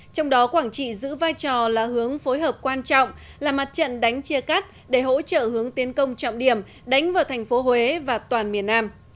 trong đó quảng trị giữ vai trò là hướng phối hợp quan trọng là mặt trận đánh chia cắt để hỗ trợ hướng tiến công trọng điểm đánh vào thành phố huế và toàn miền nam